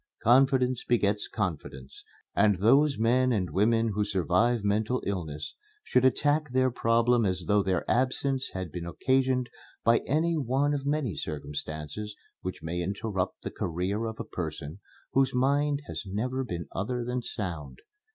Confidence begets confidence, and those men and women who survive mental illness should attack their problem as though their absence had been occasioned by any one of the many circumstances which may interrupt the career of a person whose mind has never been other than sound.